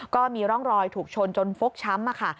ก็มีร่องรอยถูกชนจนฟกช้ำค่ะ